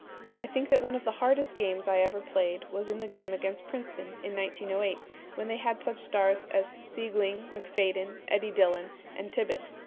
"I think that one of the hardest games I ever played in was the game against Princeton in 1908, when they had such stars as Siegling, MacFadyen, Eddie Dillon and Tibbott.